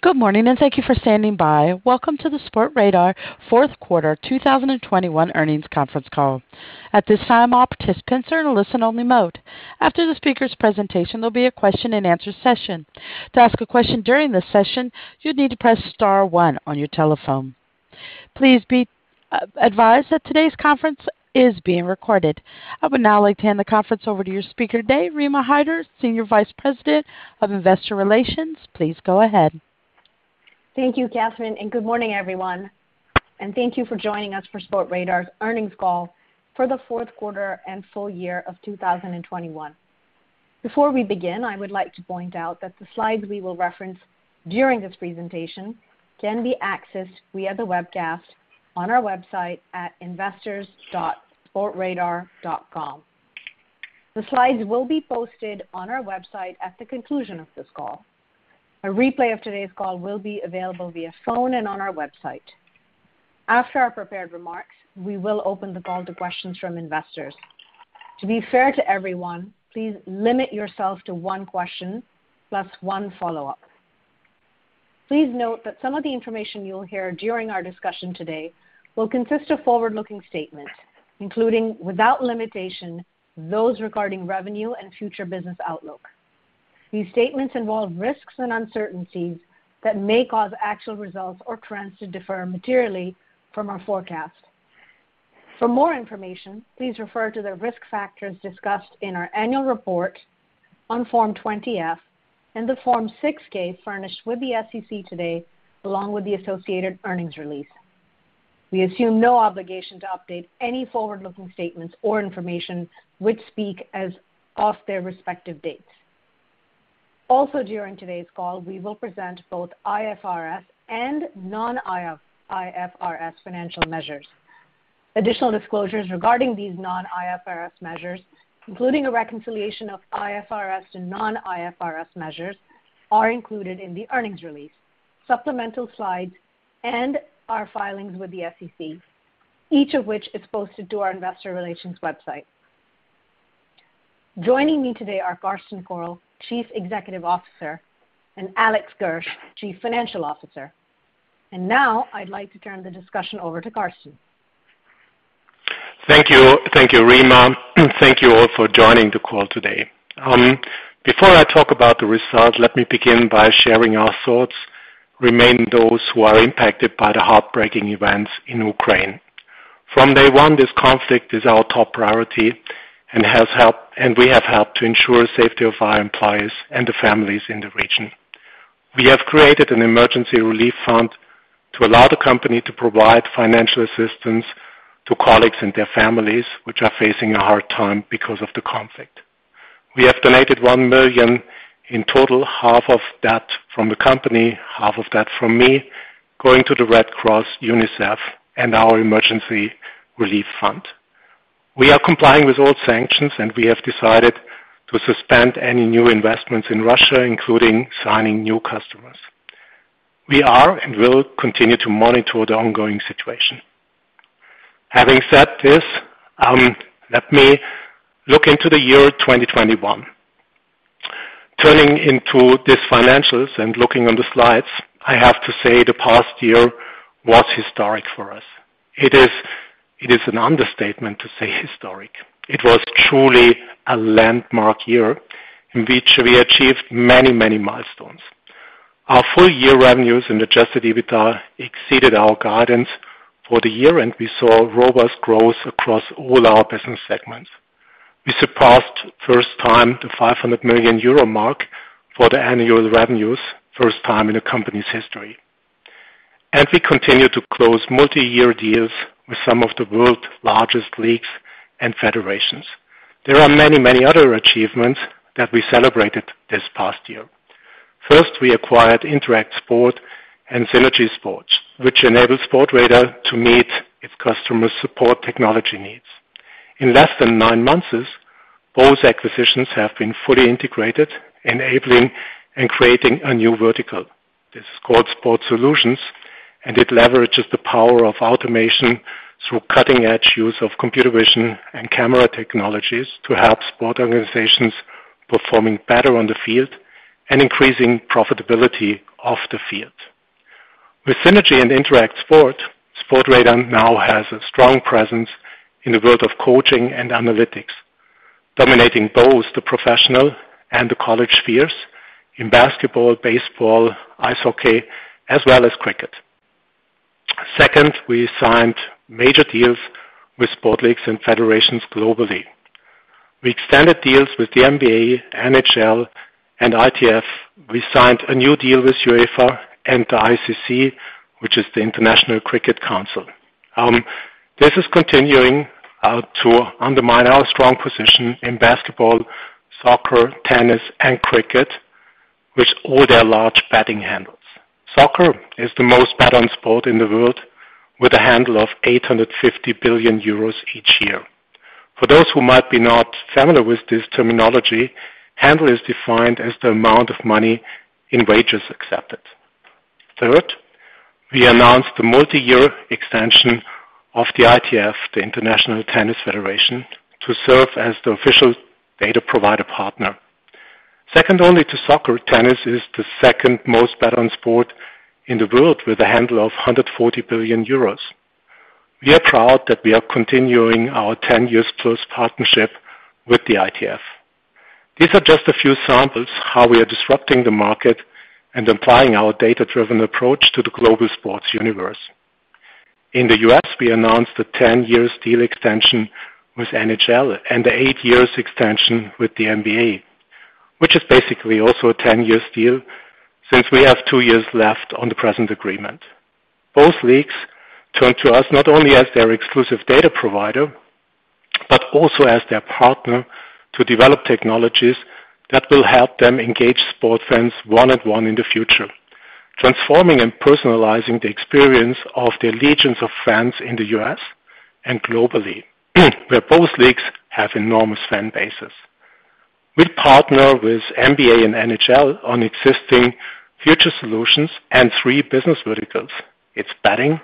Good morning, and thank you for standing by. Welcome to the Sportradar Fourth Quarter 2021 Earnings Conference Call. At this time, all participants are in a Listen-Only Mode. After the speaker's Pre-sentation, there'll be a question and answer session. To ask a question during this session, you need to press star one on your telephone. Please be advised that today's conference is being recorded. I would now like to hand the conference over to your speaker today, Rima Hyder, Senior Vice President of Investor Relations. Please go ahead. Thank you, Kathryn, and good morning, everyone. Thank you for joining us for Sportradar's earnings call for the 4th 1/4 and full year of 2021. Before we begin, I would like to point out that the Slides we will reference during this Presentation can be accessed via the webcast on our website at investors.sportradar.com. The Slides will be posted on our website at the conclusion of this call. A replay of today's call will be available via phone and on our website. After our Prepared remarks, we will open the call to questions from investors. To be fair to everyone, please limit yourself to one question plus one Follow-Up. Please note that some of the information you'll hear during our discussion today will consist of Forward-Looking statements, including, without limitation, those regarding revenue and future business outlook. These statements involve risks and uncertainties that may cause actual results or trends to differ materially from our forecast. For more information, please refer to the risk factors discussed in our annual report on Form 20-F and the Form 6-K furnished with the SEC today, along with the associated earnings release. We assume no obligation to update any Forward-Looking statements or information which speak as of their respective dates. Also, during today's call, we will Pre-sent both IFRS and Non-IFRS financial measures. Additional disclosures regarding these Non-IFRS measures, including a reconciliation of IFRS and Non-IFRS measures, are included in the earnings release, supplemental Slides, and our filings with the SEC, each of which is posted to our investor relations website. Joining me today are Carsten Koerl, Chief Executive Officer, and Alex Gersh, Chief Financial Officer. Now I'd like to turn the discussion over to Carsten. Thank you. Thank you, Rima, and thank you all for joining the call today. Before I talk about the results, let me begin by sharing our thoughts are with those who are impacted by the heartbreaking events in Ukraine. From day one, this conflict is our top priority, and we have helped to ensure safety of our employees and their families in the region. We have created an emergency relief fund to allow the company to provide financial assistance to colleagues and their families who are facing a hard time because of the conflict. We have donated 1 million in total, 1/2 of that from the company, 1/2 of that from me, going to the Red Cross, UNICEF, and our emergency relief fund. We are complying with all sanctions, and we have decided to suspend any new investments in Russia, including signing new customers. We are and will continue to monitor the ongoing situation. Having said this, let me look into the year 2021. Turning to these financials and looking on the Slides, I have to say the past year was historic for us. It is an understatement to say historic. It was truly a landmark year in which we achieved many, many milestones. Our full year revenues and adjusted EBITDA exceeded our guidance for the year, and we saw robust growth across all our business segments. We surpassed for the first time the 500 million euro mark for the annual revenues, first time in the company's history. We continue to close Multi-Year deals with some of the world's largest leagues and federations. There are many, many other achievements that we celebrated this past year. First, we acquired InteractSport and Synergy Sports, which enables Sportradar to meet its customer support technology needs. In less than 9 months, those acquisitions have been fully integrated, enabling and creating a new vertical. This is called Sport Solutions, and it leverages the power of automation through cutting-edge use of computer vision and camera technologies to help sport organizations performing better on the field and increasing profitability off the field. With Synergy and InteractSport, Sportradar now has a strong Presence in the world of coaching and analytics, dominating both the professional and the college spheres in basketball, baseball, ice hockey, as well as cricket. Second, we signed major deals with sport leagues and federations globally. We extended deals with the NBA, NHL, and ITF. We signed a new deal with UEFA and the ICC, which is the International Cricket Council. This is continuing to undermine our strong position in basketball, soccer, tennis, and cricket, with all their large betting handles. Soccer is the most bet on sport in the world with a handle of 850 billion euros each year. For those who might not be familiar with this terminology, handle is defined as the amount of money in wagers accepted. 1/3, we announced the Multi-Year extension of the ITF, the International Tennis Federation, to serve as the official data provider partner. Second only to soccer, tennis is the second most bet on sport in the world with a handle of 140 billion euros. We are proud that we are continuing our 10-year-plus partnership with the ITF. These are just a few samples how we are disrupting the market and applying our data-driven approach to the global sports universe. In the U.S., we announced a 10-year deal extension with NHL and the 8-year extension with the NBA, which is basically also a 10-year deal since we have 2 years left on the Present agreement. Both leagues turn to us not only as their exclusive data provider, but also as their partner to develop technologies that will help them engage sports fans one-on-one in the future, transforming and personalizing the experience of the legions of fans in the U.S. and globally, where both leagues have enormous fan bases. We partner with NBA and NHL on existing future solutions and 3 business verticals. It's betting,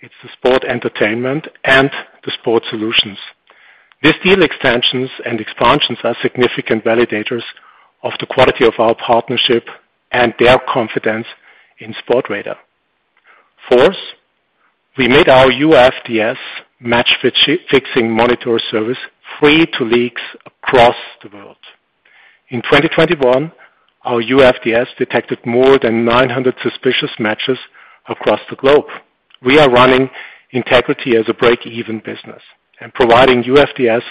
it's the sport entertainment, and the sport solutions. These deal extensions and expansions are significant validators of the quality of our partnership and their confidence in Sportradar. Fourth, we made our UFDS match-fixing monitor service free to leagues across the world. In 2021, our UFDS detected more than 900 suspicious matches across the globe. We are running integrity as a Break-Even business and providing UFDS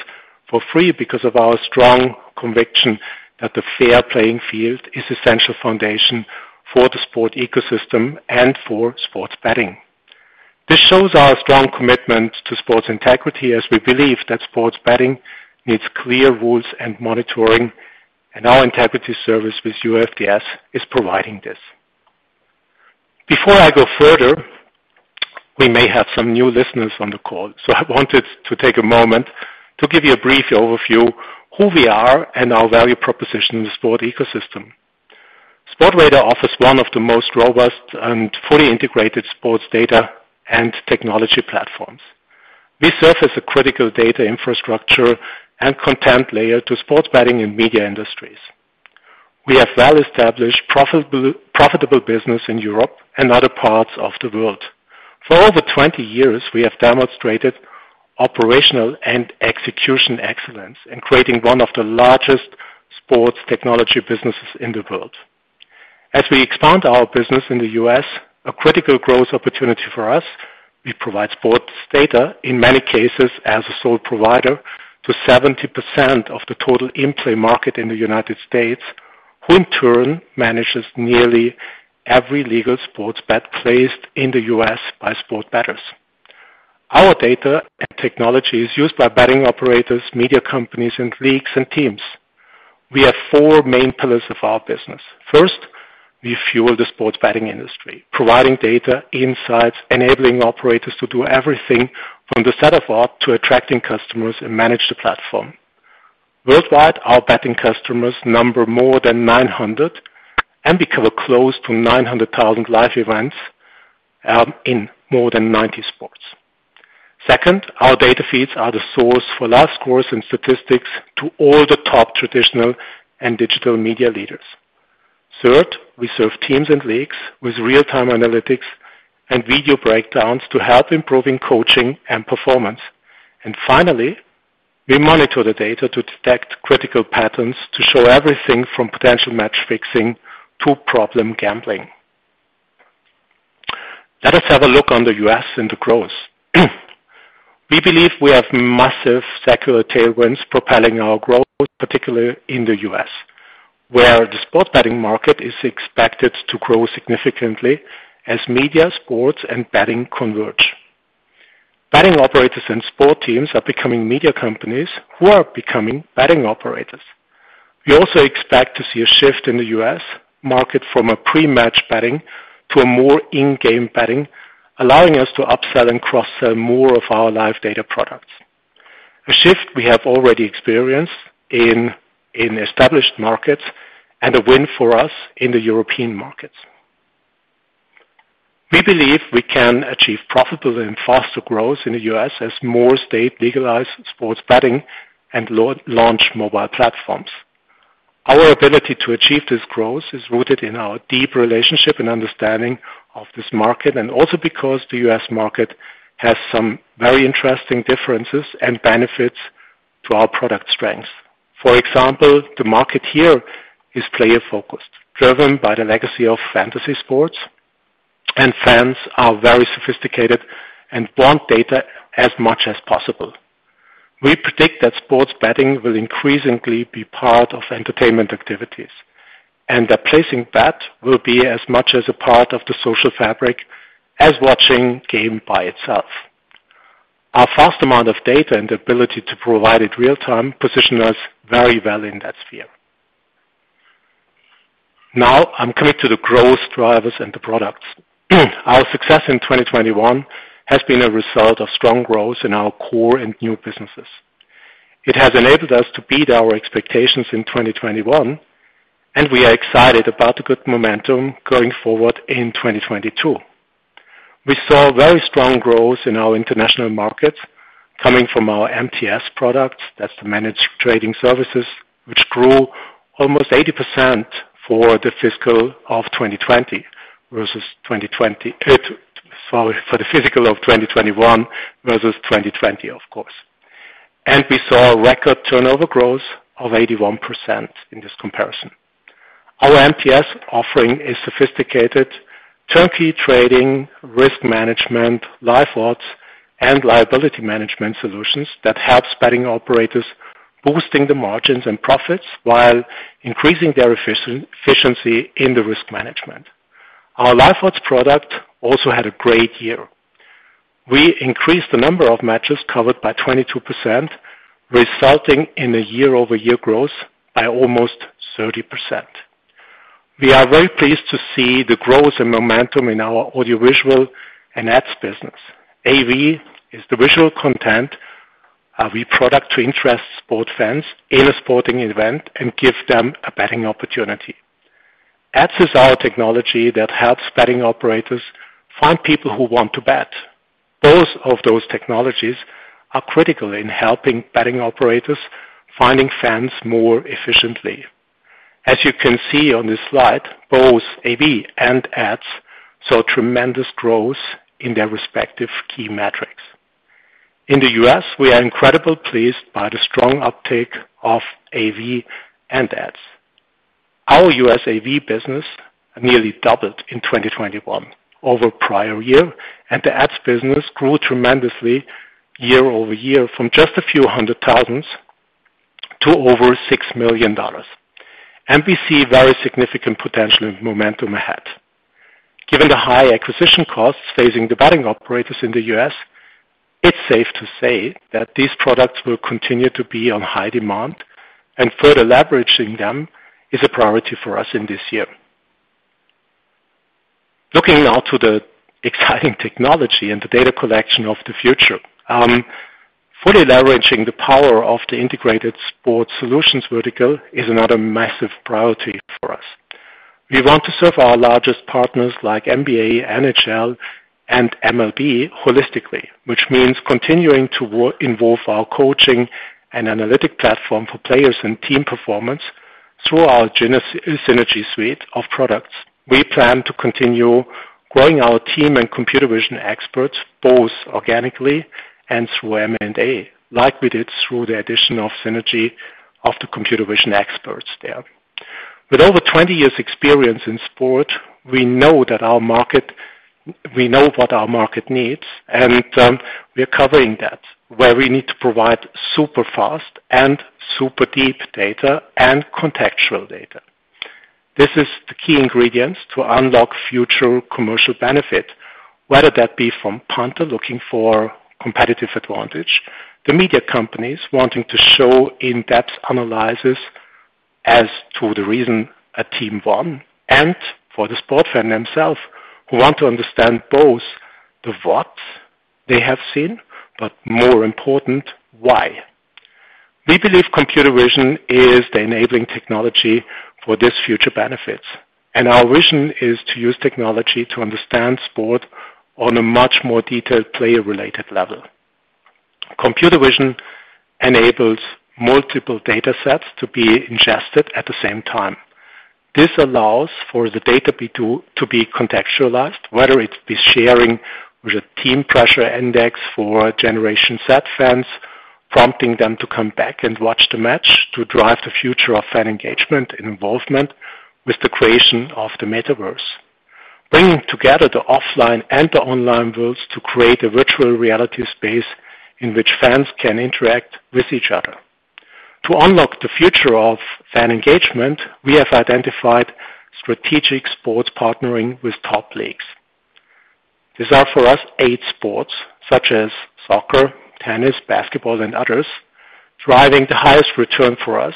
for free because of our strong conviction that the fair playing field is essential foundation for the sport ecosystem and for sports betting. This shows our strong commitment to sports integrity, as we believe that sports betting needs clear rules and monitoring, and our integrity service with UFDS is providing this. Before I go further, we may have some new listeners on the call, so I wanted to take a moment to give you a brief overview who we are and our value proposition in the sport ecosystem. Sportradar offers one of the most robust and fully integrated sports data and technology platforms. We serve as a critical data infrastructure and content layer to sports betting and media industries. We have Well-Established, profitable business in Europe and other parts of the world. For over 20 years, we have demonstrated operational and execution excellence in creating one of the largest sports technology businesses in the world. As we expand our business in the U.S., a critical growth opportunity for us, we provide sports data, in many cases as a sole provider, to 70% of the total in-play market in the United States, who in turn manages nearly every legal sports bet placed in the U.S. by sports bettors. Our data and technology is used by betting operators, media companies, and leagues and teams. We have 4 main pillars of our business. First, we fuel the sports betting industry, providing data, insights, enabling operators to do everything from the setup up to attracting customers and manage the platform. Worldwide, our betting customers number more than 900 and we cover close to 900,000 live events in more than 90 sports. Second, our data feeds are the source for live scores and statistics to all the top traditional and digital media leaders. 1/3, we serve teams and leagues with Real-Time analytics and video breakdowns to help improving coaching and performance. Finally, we monitor the data to detect critical patterns to show everything from potential match fixing to problem gambling. Let us have a look on the U.S. and the growth. We believe we have massive secular tailwinds propelling our growth, particularly in the U.S., where the sports betting market is expected to grow significantly as media, sports, and betting converge. Betting operators and sport teams are becoming media companies who are becoming betting operators. We also expect to see a shift in the U.S. market from a Pre-match betting to a more In-Game betting, allowing us to upsell and Cross-Sell more of our live data products, a shift we have already experienced in established markets and a win for us in the European markets. We believe we can achieve profitable and faster growth in the U.S. as more states legalize sports betting and launch mobile platforms. Our ability to achieve this growth is rooted in our deep relationship and understanding of this market and also because the U.S. market has some very interesting differences and benefits to our product strengths. For example, the market here is player-focused, driven by the legacy of fantasy sports, and fans are very sophisticated and want data as much as possible. We Pre-dict that sports betting will increasingly be part of entertainment activities, and that placing a bet will be as much a part of the social fabric as watching a game by itself. Our vast amount of data and ability to provide it Real-Time position us very well in that sphere. Now I'm coming to the growth drivers and the products. Our success in 2021 has been a result of strong growth in our core and new businesses. It has enabled us to beat our expectations in 2021, and we are excited about the good momentum going forward in 2022. We saw very strong growth in our international markets coming from our MTS products. That's the Managed Trading Services, which grew almost 80% for the fiscal of 2021 versus 2020, of course. We saw a record turnover growth of 81% in this comparison. Our MTS offering a sophisticated turnkey trading risk management, Live Odds, and liability management solutions that help betting operators boosting the margins and profits while increasing their efficiency in the risk management. Our Live Odds product also had a great year. We increased the number of matches covered by 22%, resulting in a year-over-year growth by almost 30%. We are very pleased to see the growth and momentum in our audiovisual and ad:s business. AV is the visual content, we produce to interest sports fans in a sporting event and gives them a betting opportunity. ad:s is our technology that helps betting operators find people who want to bet. Both of those technologies are critical in helping betting operators finding fans more efficiently. As you can see on this Slide, both AV and ads saw tremendous growth in their respective key metrics. In the U.S., we are incredibly pleased by the strong uptake of AV and ads. Our U.S. AV business nearly doubled in 2021 over prior year, and the ads business grew tremendously year-over-year from just a few hundred thousand to over $6 million. We see very significant potential and momentum ahead. Given the high acquisition costs facing the betting operators in the U.S., it's safe to say that these products will continue to be in high demand, and further leveraging them is a priority for us in this year. Looking now to the exciting technology and the data collection of the future, fully leveraging the power of the integrated sports solutions vertical is another massive priority for us. We want to serve our largest partners like NBA, NHL, and MLB holistically, which means continuing to involve our coaching and analytic platform for players and team performance through our Synergy suite of products. We plan to continue growing our team and computer vision experts, both organically and through M&A, like we did through the addition of Synergy of the computer vision experts there. With over 20 years experience in sport, we know what our market needs, and we are covering that where we need to provide super fast and super deep data and contextual data. This is the key ingredients to unlock future commercial benefit, whether that be from punter looking for competitive advantage, the media companies wanting to show In-Depth analysis as to the reason a team won, and for the sport fan themselves who want to understand both the what they have seen, but more important, why. We believe computer vision is the enabling technology for this future benefits, and our vision is to use technology to understand sport on a much more detailed player-related level. Computer vision enables multiple data sets to be ingested at the same time. This allows for the data to be contextualized, whether it be sharing with a team pressure index for Generation Z fans, prompting them to come back and watch the match, to drive the future of fan engagement and involvement with the creation of the metaverse, bringing together the offline and the online worlds to create a virtual reality space in which fans can interact with each other. To unlock the future of fan engagement, we have identified strategic sports partnering with top leagues. These are for us 8 sports such as soccer, tennis, basketball, and others, driving the highest return for us.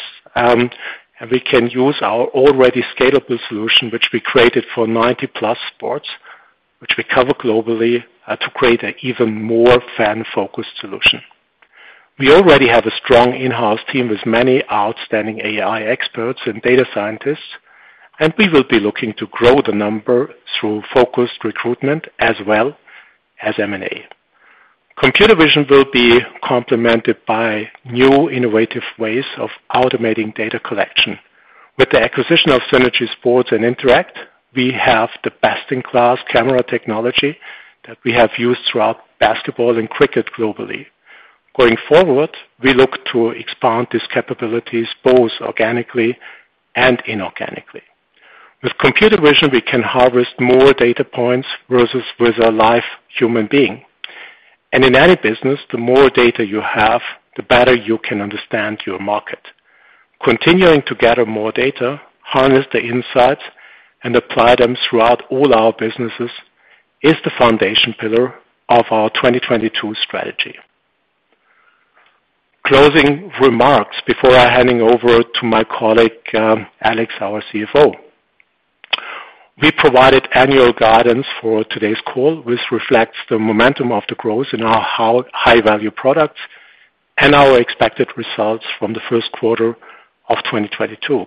We can use our already scalable solution, which we created for 90+ sports, which we cover globally, to create an even more fan-focused solution. We already have a strong in-house team with many outstanding AI experts and data scientists, and we will be looking to grow the number through focused recruitment as well as M&A. Computer vision will be complemented by new innovative ways of automating data collection. With the acquisition of Synergy Sports and InteractSport, we have the best-in-class camera technology that we have used throughout basketball and cricket globally. Going forward, we look to expand these capabilities both organically and inorganically. With computer vision, we can harvest more data points versus with a live human being. In any business, the more data you have, the better you can understand your market. Continuing to gather more data, harness the insights, and apply them throughout all our businesses is the foundation pillar of our 2022 strategy. Closing remarks before I hand it over to my colleague, Alex, our CFO. We provided annual guidance for today's call, which reflects the momentum of the growth in our High-Value products and our expected results from the first 1/4 of 2022.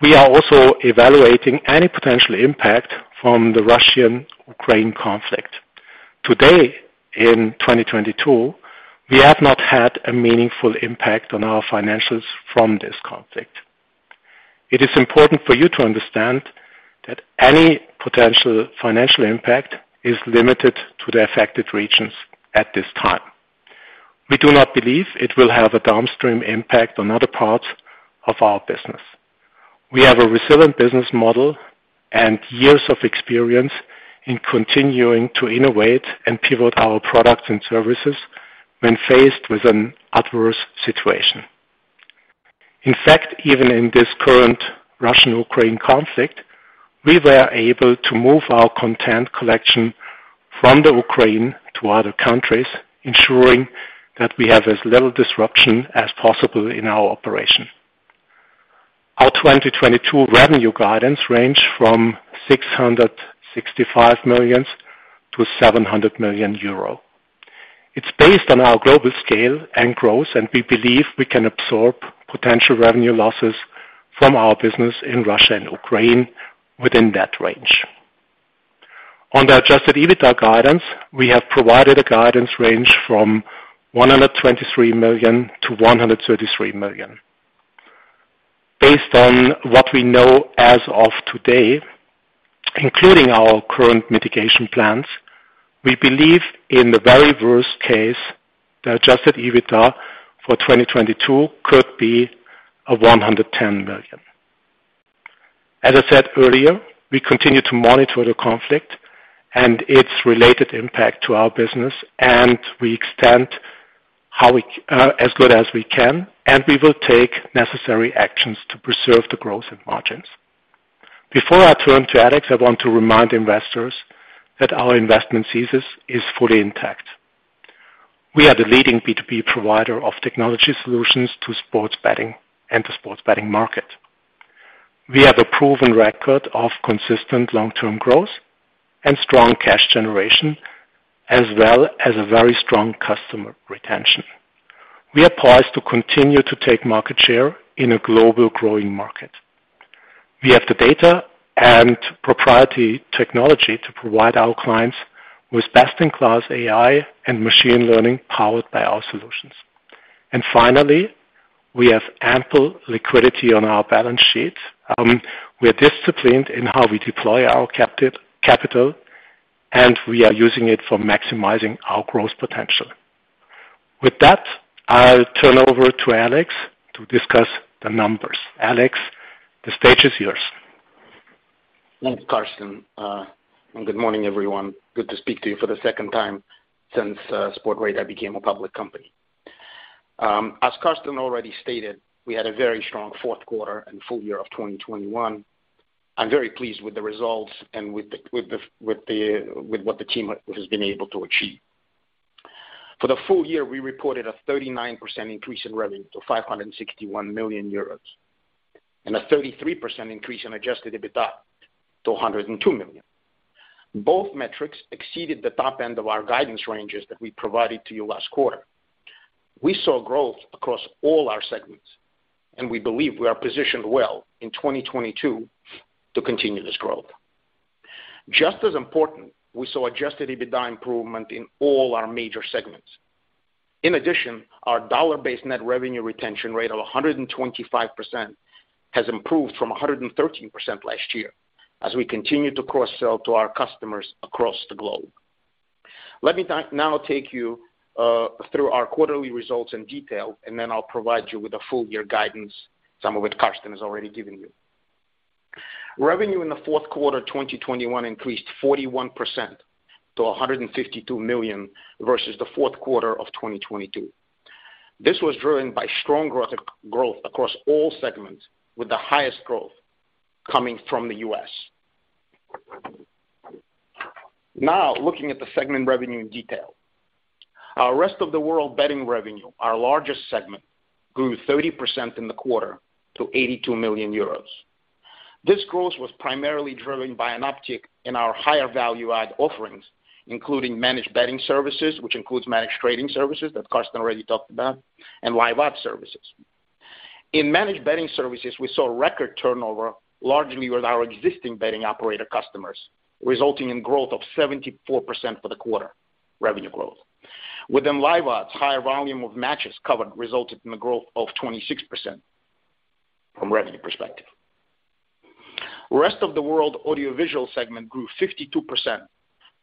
We are also evaluating any potential impact from the Russian-Ukraine conflict. To date in 2022, we have not had a meaningful impact on our financials from this conflict. It is important for you to understand that any potential financial impact is limited to the affected regions at this time. We do not believe it will have a downstream impact on other parts of our business. We have a resilient business model and years of experience in continuing to innovate and pivot our products and services when faced with an adverse situation. In fact, even in this current Russian-Ukraine conflict, we were able to move our content collection from the Ukraine to other countries, ensuring that we have as little disruption as possible in our operation. Our 2022 revenue guidance range from 665 million to 700 million euro. It's based on our global scale and growth, and we believe we can absorb potential revenue losses from our business in Russia and Ukraine within that range. On the adjusted EBITDA guidance, we have provided a guidance range from 123 million to 133 million. Based on what we know as of today, including our current mitigation plans, we believe in the very worst case, the adjusted EBITDA for 2022 could be 110 million. As I said earlier, we continue to monitor the conflict and its related impact to our business, and we extend as best as we can, and we will take necessary actions to Pre-Serve the growth in margins. Before I turn to Alex, I want to remind investors that our investment thesis is fully intact. We are the leading B2B provider of technology solutions to sports betting and the sports betting market. We have a proven record of consistent Long-Term growth and strong cash generation, as well as a very strong customer retention. We are poised to continue to take market share in a global growing market. We have the data and proprietary technology to provide our clients with best-in-class AI and machine learning powered by our solutions. Finally, we have ample liquidity on our balance sheet. We are disciplined in how we deploy our capital, and we are using it for maximizing our growth potential. With that, I'll turn over to Alex to discuss the numbers. Alex, the stage is yours. Thanks, Carsten. Good morning, everyone. Good to speak to you for the second time since Sportradar became a public company. As Carsten already stated, we had a very strong 4th 1/4 and full year of 2021. I'm very pleased with the results and with what the team has been able to achieve. For the full year, we reported a 39% increase in revenue to 561 million euros and a 33% increase in adjusted EBITDA to 102 million. Both metrics exceeded the top end of our guidance ranges that we provided to you last 1/4. We saw growth across all our segments, and we believe we are positioned well in 2022 to continue this growth. Just as important, we saw adjusted EBITDA improvement in all our major segments. In addition, our dollar-based net revenue retention rate of 125% has improved from 113% last year as we continue to Cross-Sell to our customers across the globe. Let me now take you through our quarterly results in detail, and then I'll provide you with the full year guidance, some of it Carsten has already given you. Revenue in the 4th 1/4 2021 increased 41% to 152 million versus the 4th 1/4 of 2022. This was driven by strong growth across all segments, with the highest growth coming from the U.S. Now, looking at the segment revenue in detail. Our rest of the world betting revenue, our largest segment, grew 30% in the 1/4 to 82 million euros. This growth was primarily driven by an uptick in our higher value add offerings, including Managed Betting Services, which includes Managed Trading Services that Carsten already talked about, and Live Odds services. In Managed Betting Services, we saw record turnover, largely with our existing betting operator customers, resulting in growth of 74% for the 1/4 revenue growth. Within Live Odds, higher volume of matches covered resulted in the growth of 26% from revenue perspective. Rest of the world audiovisual segment grew 52%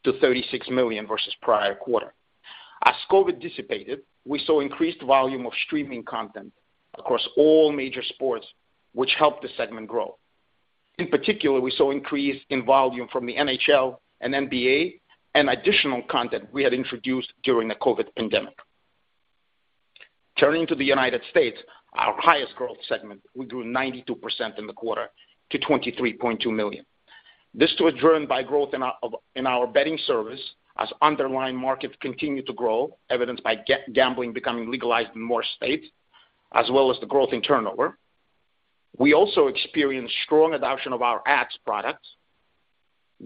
to 36 million versus prior 1/4. As COVID dissipated, we saw increased volume of streaming content across all major sports, which helped the segment grow. In particular, we saw increase in volume from the NHL and NBA and additional content we had introduced during the COVID pandemic. Turning to the United States, our highest growth segment, we grew 92% in the 1/4 to 23.2 million. This was driven by growth in our betting service as underlying markets continue to grow, evidenced by gambling becoming legalized in more states, as well as the growth in turnover. We also experienced strong adoption of our ads products,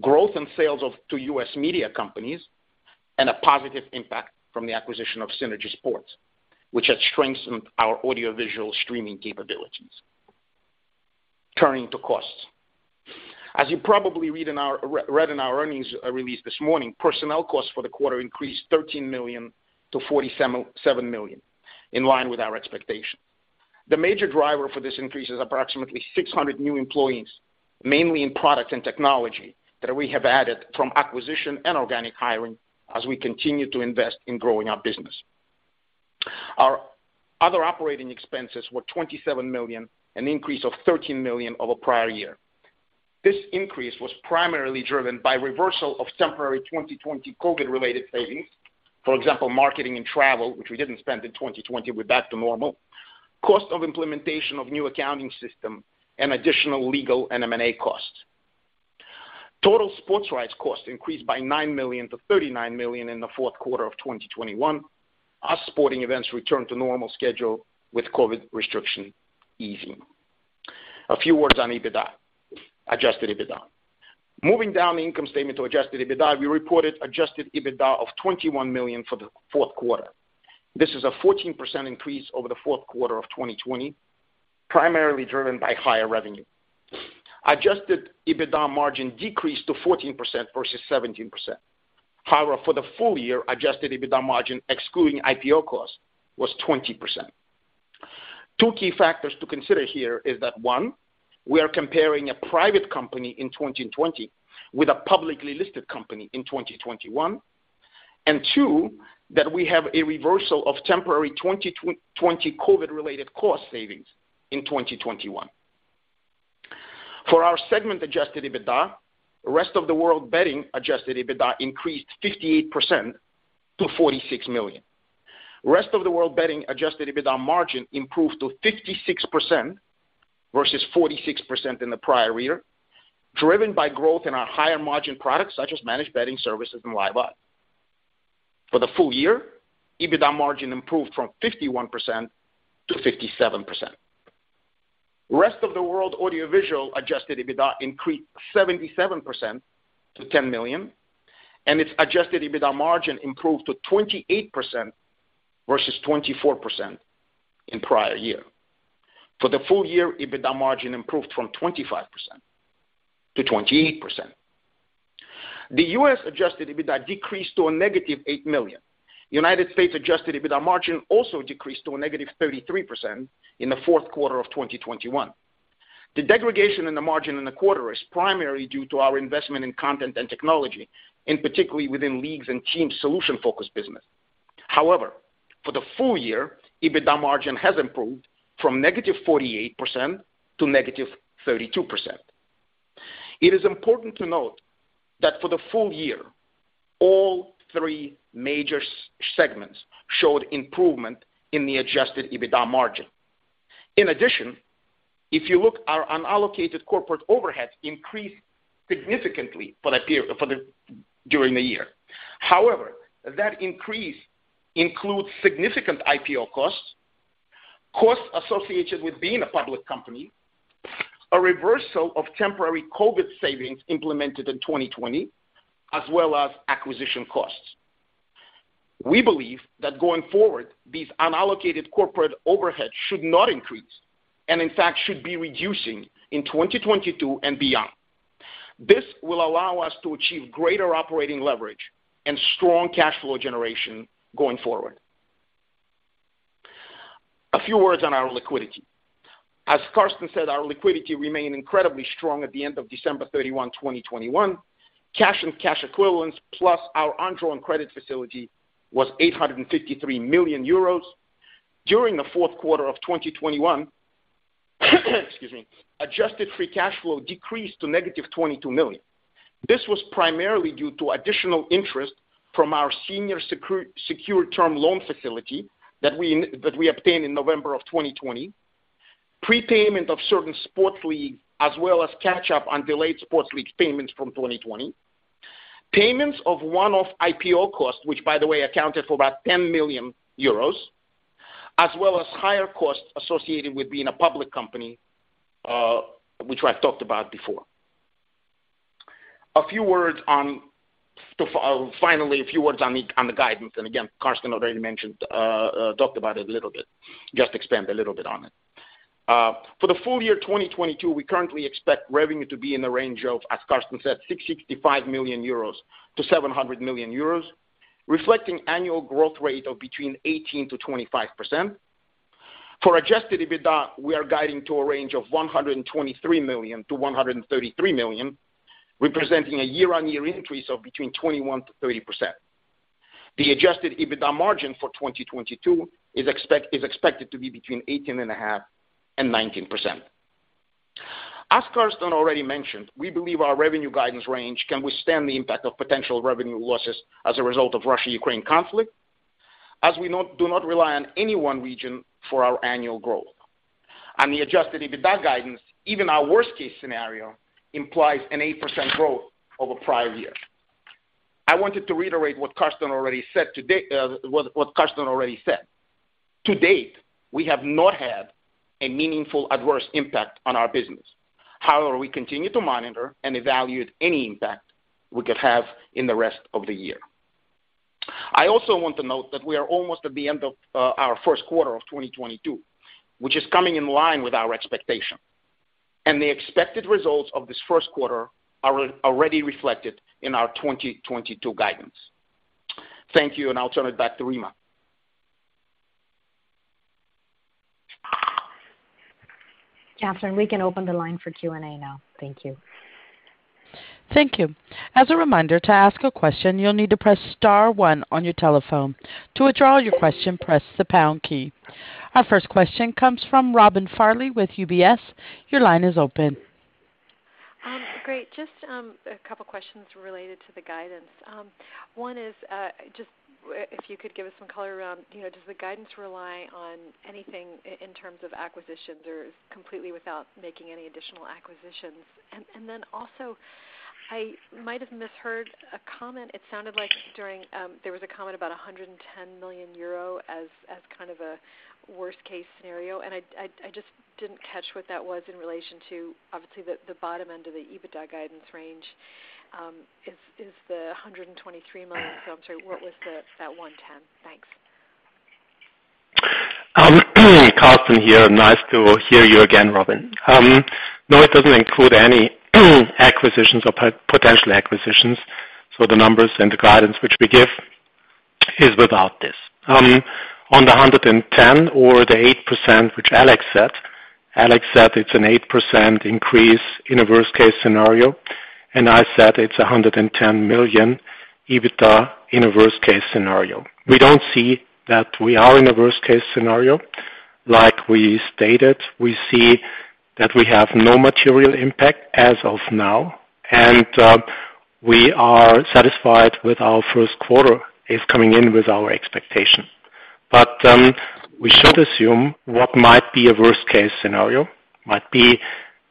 growth in sales to U.S. media companies, and a positive impact from the acquisition of Synergy Sports, which has strengthened our audiovisual streaming capabilities. Turning to costs. As you probably read in our earnings release this morning, personnel costs for the 1/4 increased 13 million to 47 million, in line with our expectation. The major driver for this increase is approximately 600 new employees, mainly in product and technology, that we have added from acquisition and organic hiring as we continue to invest in growing our business. Our other operating expenses were 27 million, an increase of 13 million over prior year. This increase was primarily driven by reversal of temporary 2020 COVID-related savings, for example, marketing and travel, which we didn't spend in 2020. We're back to normal, cost of implementation of new accounting system and additional legal and M&A costs. Total sports rights costs increased by 9 million to 39 million in the 4th 1/4 of 2021 as sporting events returned to normal schedule with COVID restriction easing. A few words on EBITDA, adjusted EBITDA. Moving down the income statement to adjusted EBITDA, we reported adjusted EBITDA of 21 million for the 4th 1/4. This is a 14% increase over the 4th 1/4 of 2020, primarily driven by higher revenue. Adjusted EBITDA margin decreased to 14% versus 17%. However, for the full year, adjusted EBITDA margin excluding IPO costs was 20%. Two key factors to consider here is that, one, we are comparing a private company in 2020 with a publicly listed company in 2021, and 2, that we have a reversal of temporary twenty twenty COVID-Related cost savings in 2021. For our segment adjusted EBITDA, rest of the world betting adjusted EBITDA increased 58% to EUR 46 million. Rest of the world betting adjusted EBITDA margin improved to 56% versus 46% in the prior year, driven by growth in our higher margin products, such as managed betting services and live odds. For the full year, EBITDA margin improved from 51% to 57%. Rest of the world audiovisual adjusted EBITDA increased 77% to 10 million, and its adjusted EBITDA margin improved to 28% versus 24% in prior year. For the full year, EBITDA margin improved from 25% to 28%. The US adjusted EBITDA decreased to -8 million. United States adjusted EBITDA margin also decreased to -33% in the 4th 1/4 of 2021. The degradation in the margin in the 1/4 is primarily due to our investment in content and technology, and particularly within leagues and teams solution-focused business. However, for the full year, EBITDA margin has improved from -48% to -32%. It is important to note that for the full year, all 3 major segments showed improvement in the adjusted EBITDA margin. In addition, if you look, our unallocated corporate overhead increased significantly during the year. However, that increase includes significant IPO costs associated with being a public company, a reversal of temporary COVID savings implemented in 2020, as well as acquisition costs. We believe that going forward, these unallocated corporate overhead should not increase, and in fact should be reducing in 2022 and beyond. This will allow us to achieve greater operating leverage and strong cash flow generation going forward. A few words on our liquidity. As Carsten said, our liquidity remained incredibly strong at the end of December 31, 2021. Cash and cash equivalents, plus our undrawn credit facility was 853 million euros. During the 4th 1/4 of 2021, excuse me, adjusted free cash flow decreased to -22 million. This was primarily due to additional interest from our senior secured term loan facility that we obtained in November of 2020, Pre-payment of certain sports leagues, as well as catch up on delayed sports league payments from 2020. Payments of One-Off IPO costs, which by the way accounted for about 10 million euros, as well as higher costs associated with being a public company, which I've talked about before. Finally, a few words on the guidance, and again, Carsten already mentioned, talked about it a little bit, just expand a little bit on it. For the full year 2022, we currently expect revenue to be in the range of, as Carsten said, 665 million-700 million euros, reflecting annual growth rate of between 18%-25%. For adjusted EBITDA, we are guiding to a range of 123 million-133 million, reresenting a Year-On-Year increase of between 21%-30%. The adjusted EBITDA margin for 2022 is expected to be between 18.5% and 19%. As Carsten already mentioned, we believe our revenue guidance range can withstand the impact of potential revenue losses as a result of Russia-Ukraine conflict. As we do not rely on any one region for our annual growth. On the adjusted EBITDA guidance, even our worst-case scenario implies an 8% growth over prior year. I wanted to reiterate what Carsten already said today. To date, we have not had a meaningful adverse impact on our business. However, we continue to monitor and evaluate any impact we could have in the rest of the year. I also want to note that we are almost at the end of our first 1/4 of 2022, which is coming in line with our expectation. The expected results of this first 1/4 are already reflected in our 2022 guidance. Thank you, and I'll turn it back to Rima. Catherine, we can open the line for Q&A now. Thank you. Thank you. As a reminder, to ask a question, you'll need to press star one on your telephone. To withdraw your question, press the pound key. Our first question comes from Robin Farley with UBS. Your line is open. Great. Just a couple of questions related to the guidance. One is just if you could give us some color around, you know, does the guidance rely on anything in terms of acquisitions or completely without making any additional acquisitions? Then also, I might have misheard a comment. It sounded like during there was a comment about 110 million euro as kind of a worst case scenario. I just didn't catch what that was in relation to obviously the bottom end of the EBITDA guidance range is the 123 million. So I'm sorry, what was that 110? Thanks. Carsten here. Nice to hear you again, Robin. No, it doesn't include any acquisitions or potential acquisitions. The numbers and the guidance which we give is without this. On the 110 or the 8%, which Alex said, Alex said it's an 8% increase in a worst case scenario, and I said it's 110 million EBITDA in a worst case scenario. We don't see that we are in a worst case scenario. Like we stated, we see that we have no material impact as of now, and we are satisfied with our first 1/4 is coming in with our expectation. We should assume what might be a worst case scenario might be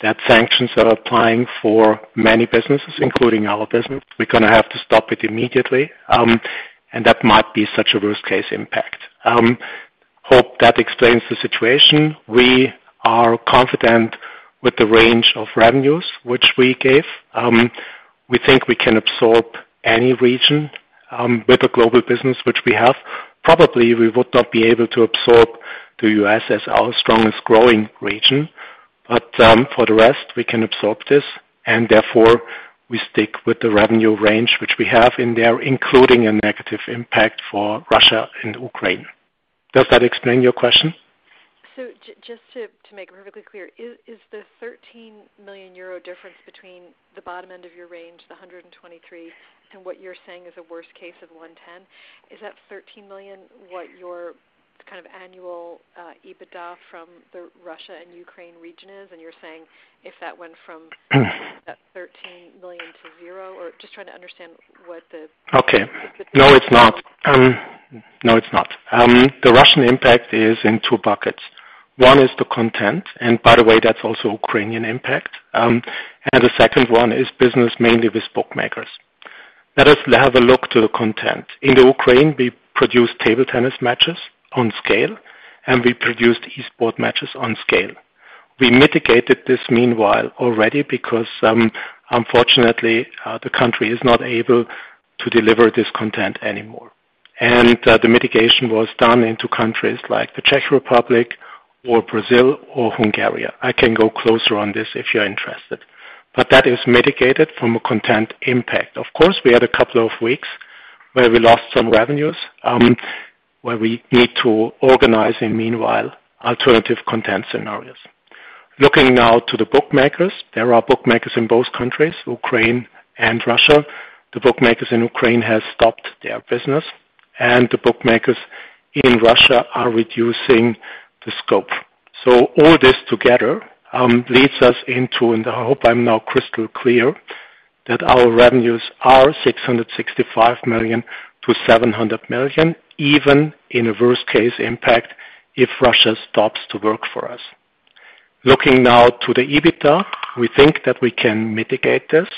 that sanctions are applying for many businesses, including our business. We're gonna have to stop it immediately, and that might be such a worst case impact. I hope that explains the situation. We are confident with the range of revenues which we gave. We think we can absorb any region with a global business which we have. Probably, we would not be able to absorb the U.S. as our strongest growing region. For the rest, we can absorb this, and therefore we stick with the revenue range which we have in there, including a negative impact for Russia and Ukraine. Does that answer your question? Just to make it perfectly clear, is the 13 million euro difference between the bottom end of your range, the 123 million, and what you're saying is a worst case of 110 million, is that 13 million what your kind of annual EBITDA from the Russia and Ukraine region is, and you're saying if that went from that 13 million to zero, or just trying to understand what the No, it's not. The Russian impact is in 2 buckets. One is the content, and by the way, that's also Ukrainian impact. The second one is business mainly with bookmakers. Let us have a look at the content. In Ukraine, we produce table tennis matches on scale, and we produced esports matches on scale. We mitigated this meanwhile already because, unfortunately, the country is not able to deliver this content anymore. The mitigation was done in countries like the Czech Republic or Brazil or Hungary. I can go closer on this if you're interested. That is mitigated from a content impact. Of course, we had a couple of weeks where we lost some revenues, where we need to organize in meanwhile alternative content scenarios. Looking now to the bookmakers, there are bookmakers in both countries, Ukraine and Russia. The bookmakers in Ukraine has stopped their business, and the bookmakers in Russia are reducing the scope. All this together leads us into, and I hope I'm now crystal clear, that our revenues are 665 million-700 million, even in a worst case impact if Russia stops to work for us. Looking now to the EBITDA, we think that we can mitigate this,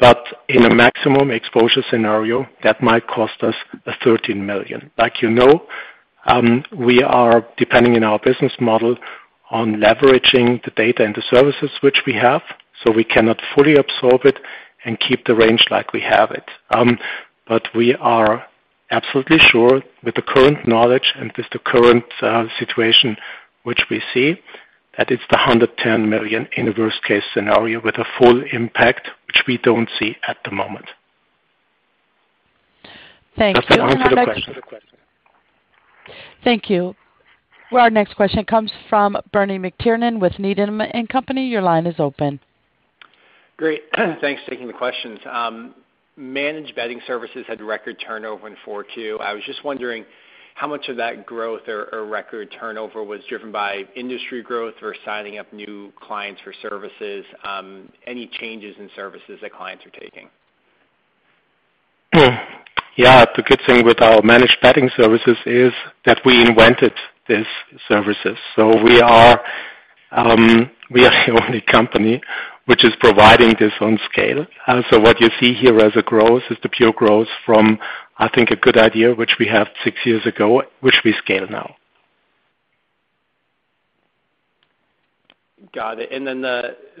but in a maximum exposure scenario, that might cost us 13 million. Like you know, we are depending on our business model on leveraging the data and the services which we have, so we cannot fully absorb it and keep the range like we have it. We are absolutely sure with the current knowledge and with the current situation which we see, that it's 110 million in a worst case scenario with a full impact, which we don't see at the moment. Thanks. Does that answer the question? Thank you. Our next question comes from Bernie McTernan with Needham & Company. Your line is open. Great. Thanks for taking the questions. Managed Betting Services had record turnover in 2022. I was just wondering how much of that growth or record turnover was driven by industry growth or signing up new clients for services, any changes in services that clients are taking? Yeah, the good thing with our Managed Betting Services is that we invented these services. We are the only company which is providing this on scale. What you see here as a growth is the pure growth from, I think, a good idea which we have 6 years ago, which we scale now. Got it.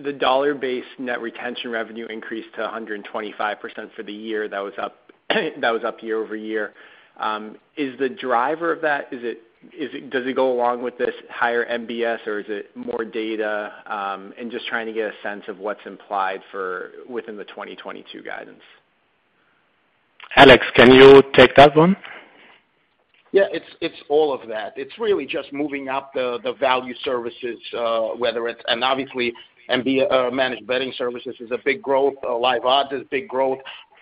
The dollar-based net retention revenue increased to 125% for the year that was up year-over-year. Is the driver of that? Does it go along with this higher MBS or is it more data? Just trying to get a sense of what's implied for within the 2022 guidance. Alex, can you take that one? Yeah, it's all of that. It's really just moving up the value services, whether it's. Obviously, MBS, Managed Betting Services is a big growth. Live Odds is big growth.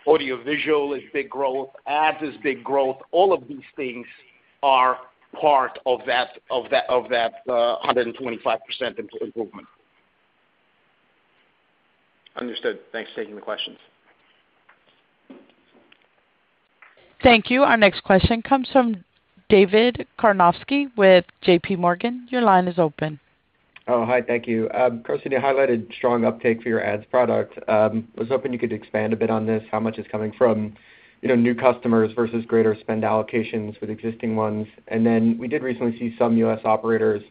AV is big growth. ad:s is big growth. All of these things are part of that 125% improvement. Understood. Thanks for taking the questions. Thank you. Our next question comes from David Karnovsky with J.P. Morgan. Your line is open. Oh, hi. Thank you. Carsten, you highlighted strong uptake for your ads product. I was hoping you could expand a bit on this, how much is coming from, you know, new customers versus greater spend allocations with existing ones. We did recently see some U.S. operators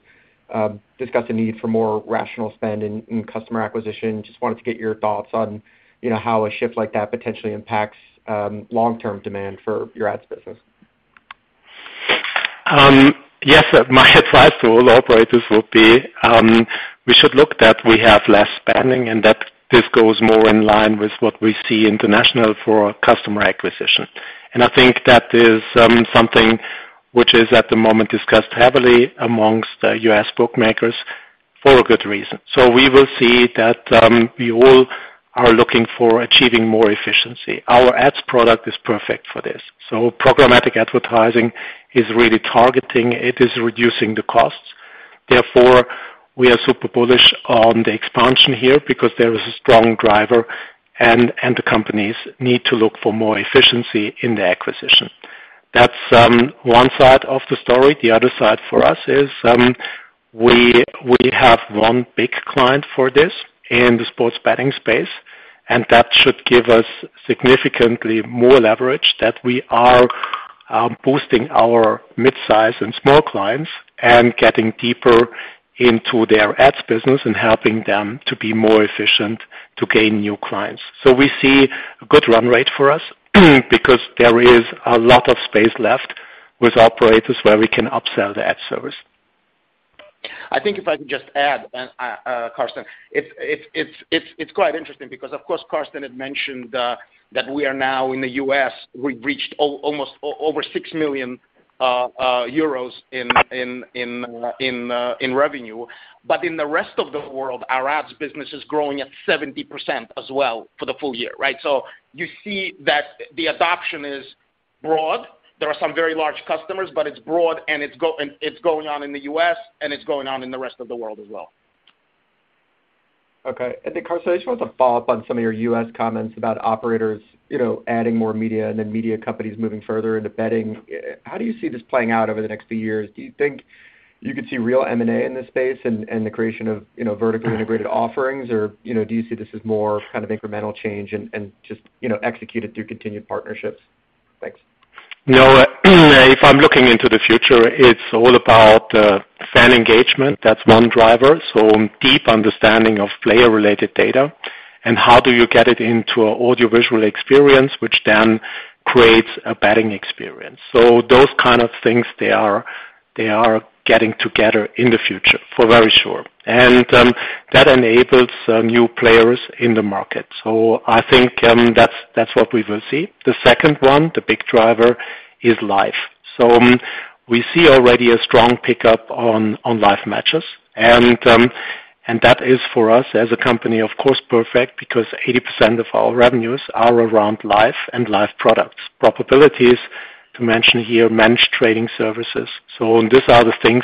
discuss a need for more rational spend in customer acquisition. Just wanted to get your thoughts on, you know, how a shift like that potentially impacts Long-Term demand for your ads business. Yes. My advice to all operators would be, we should look that we have less spending and that this goes more in line with what we see internationally for customer acquisition. I think that is something which is at the moment discussed heavily amongst U.S. bookmakers for a good reason. We will see that we all are looking for achieving more efficiency. Our ads product is perfect for this. Programmatic advertising is really targeting, it is reducing the costs. Therefore, we are super bullish on the expansion here because there is a strong driver and the companies need to look for more efficiency in the acquisition. That's one side of the story. The other side for us is, we have one big client for this in the sports betting space, and that should give us significantly more leverage that we are, boosting our midsize and small clients and getting deeper into their ads business and helping them to be more efficient to gain new clients. We see a good run rate for us because there is a lot of space left with operators where we can upsell the ad service. I think if I can just add, Carsten, it's quite interesting because, of course, Carsten had mentioned, that we are now in the U.S., we've reached almost over 6 million euros in revenue. In the rest of the world, our ads business is growing at 70% as well for the full year, right? You see that the adoption is broad. There are some very large customers, but it's broad and it's going on in the U.S., and it's going on in the rest of the world as well. Okay. Carsten, I just want to follow up on some of your U.S. comments about operators, you know, adding more media and then media companies moving further into betting. How do you see this playing out over the next few years? Do you think you could see real M&A in this space and the creation of, you know, vertically integrated offerings? Or, you know, do you see this as more kind of incremental change and just, you know, executed through continued partnerships? Thanks. No, if I'm looking into the future, it's all about fan engagement. That's one driver. Deep understanding of player-related data and how do you get it into an audiovisual experience, which then creates a betting experience. Those kind of things, they are getting together in the future, for very sure. That enables new players in the market. I think that's what we will see. The second one, the big driver is live. We see already a strong pickup on live matches. That is for us as a company, of course, perfect because 80% of our revenues are around live and live products. Particularly to mention here, Managed Trading Services. These are the things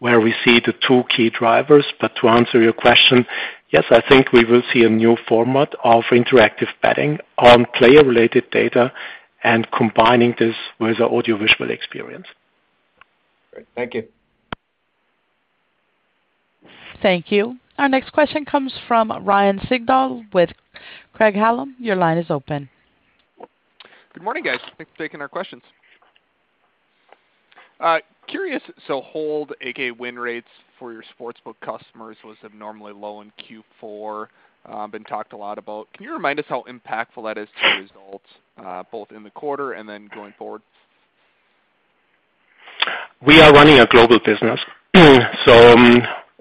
where we see the 2 key drivers. To answer your question, yes, I think we will see a new format of interactive betting on player-related data and combining this with the audiovisual experience. Great. Thank you. Thank you. Our next question comes from Ryan Sigdahl with Craig-Hallum. Your line is open. Good morning, guys. Thanks for taking our questions. I'm curious about the hold, AKA win rates for your sportsbook customers was abnormally low in Q4. It's been talked a lot about. Can you remind us how impactful that is to results, both in the 1/4 and then going forward? We are running a global business.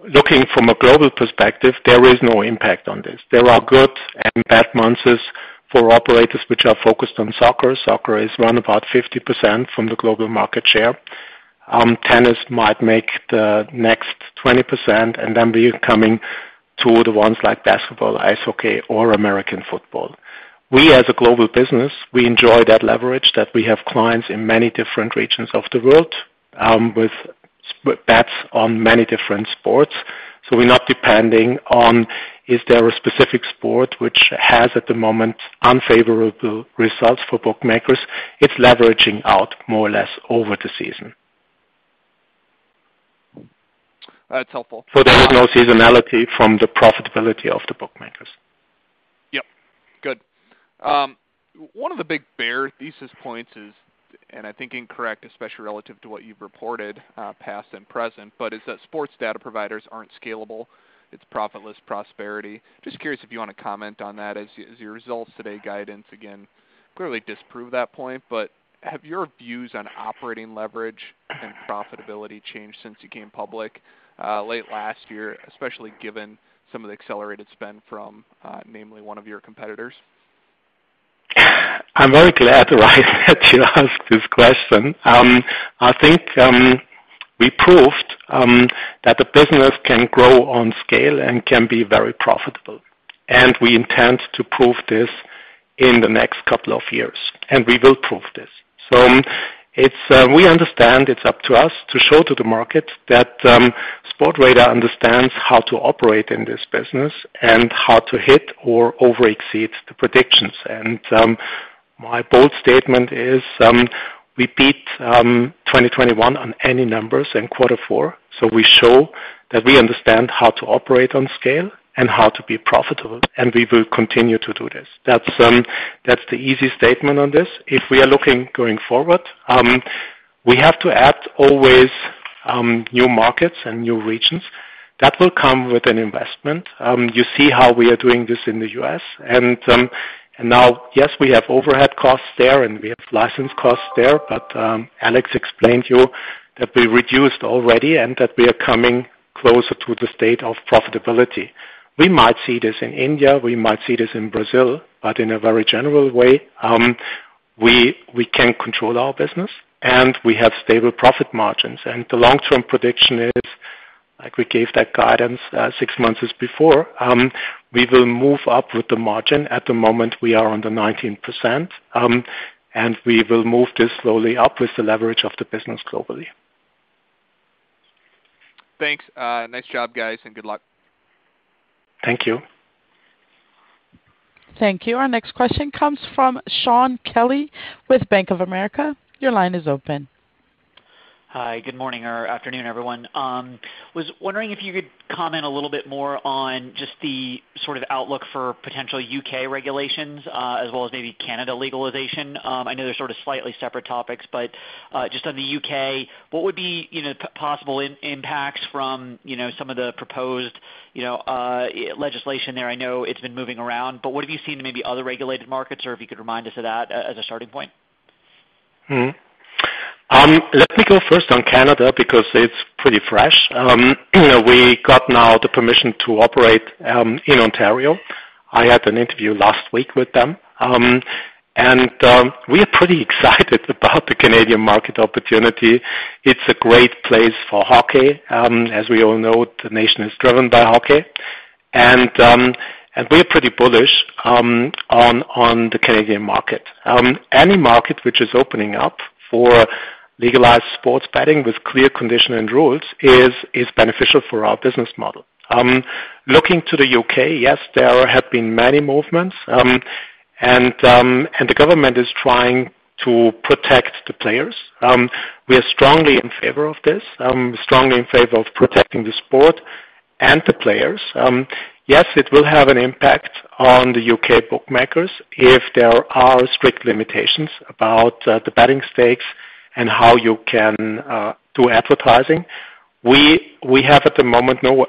Looking from a global perspective, there is no impact on this. There are good and bad months for operators which are focused on soccer. Soccer is around about 50% from the global market share. Tennis might make the next 20%, and then we are coming to the ones like basketball, ice hockey or American football. We as a global business, we enjoy that leverage that we have clients in many different regions of the world, but that's on many different sports. We're not depending on is there a specific sport which has, at the moment, unfavorable results for bookmakers. It's leveraging out more or less over the season. That's helpful. There is no seasonality from the profitability of the bookmakers. Yep. Good. One of the big bear thesis points is, and I think incorrect, especially relative to what you've reported, past and Pre-sent, but is that sports data providers aren't scalable. It's profitless prosperity. Just curious if you wanna comment on that as your results today, guidance, again, clearly disprove that point. Have your views on operating leverage and profitability changed since you came public, late last year, especially given some of the accelerated spend from, namely one of your competitors? I'm very glad, Ryan, that you asked this question. I think we proved that the business can grow on scale and can be very profitable, and we intend to prove this in the next couple of years, and we will prove this. It's we understand it's up to us to show to the market that Sportradar understands how to operate in this business and how to hit or Over-Exceed the predictions. My bold statement is we beat 2021 on any numbers in 1/4 4, so we show that we understand how to operate on scale and how to be profitable, and we will continue to do this. That's the easy statement on this. If we are looking going forward, we have to add always new markets and new regions. That will come with an investment. You see how we are doing this in the U.S. Now, yes, we have overhead costs there, and we have license costs there, but Alex explained to you that we reduced already and that we are coming closer to the state of profitability. We might see this in India. We might see this in Brazil. In a very general way, we can control our business, and we have stable profit margins. The Long-Term Prediction is, like we gave that guidance 6 months as before, we will move up with the margin. At the moment, we are under 19%, and we will move this slowly up with the leverage of the business globally. Thanks. Nice job, guys, and good luck. Thank you. Thank you. Our next question comes from Shaun Kelley with Bank of America. Your line is open. Hi. Good morning or afternoon, everyone. I was wondering if you could comment a little bit more on just the sort of outlook for potential U.K. regulations, as well as maybe Canada legalization. I know they're sort of slightly separate topics, but just on the U.K., what would be, you know, possible impacts from, you know, some of the proposed, you know, legislation there? I know it's been moving around, but what have you seen in maybe other regulated markets, or if you could remind us of that as a starting point? Let me go first on Canada because it's Pretty fresh. You know, we got now the permission to operate in Ontario. I had an interview last week with them. We are Pretty excited about the Canadian market opportunity. It's a great place for hockey. As we all know, the nation is driven by hockey. We're Pretty bullish on the Canadian market. Any market which is opening up for legalized sports betting with clear condition and rules is beneficial for our business model. Looking to the U.K., yes, there have been many movements. The government is trying to protect the players. We are strongly in favor of this, strongly in favor of protecting the sport and the players. Yes, it will have an impact on the U.K. bookmakers if there are strict limitations about the betting stakes and how you can do advertising. We have at the moment no